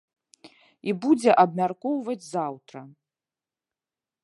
І будзе абмяркоўваць заўтра.